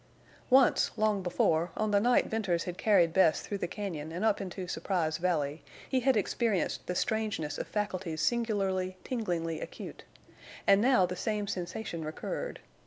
Once, long before, on the night Venters had carried Bess through the cañon and up into Surprise Valley, he had experienced the strangeness of faculties singularly, tinglingly acute. And now the same sensation recurred.